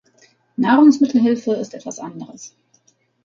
Nahrungsmittelhilfe ist etwas anderes.